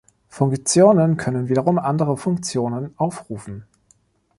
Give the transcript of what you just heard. Funktionen können wiederum andere Funktionen aufrufen.